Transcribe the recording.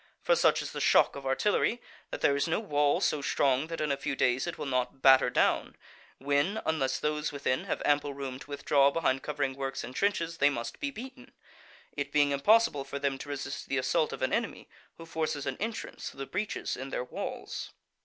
For such is the shock of artillery that there is no wall so strong that in a few days it will not batter down, when, unless those within have ample room to withdraw behind covering works and trenches, they must be beaten; it being impossible for them to resist the assault of an enemy who forces an entrance through the breaches in their walls.